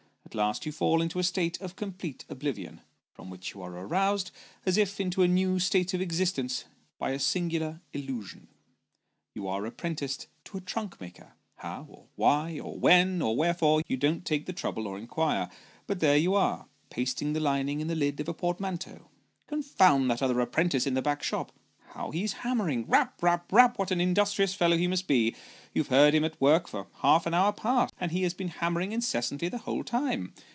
At last you fall into a state of complete oblivion, from which you are aroused, as if into a new state of existence, by a singular illusion. You are apprenticed to a trunk maker ; how, or why, or when, or wherefore, you don't take the trouble to inquire ; but there you are, pasting the lining in the lid of Discomforts of Early Rising. 99 ft portmanteau. Confound that other apprentice in the back shop, how he is hammering ! rap, rap, rap what an industrious fellow he must be ! you have heard him at work for half an hour past, and he has been hammering incessantly the whole time.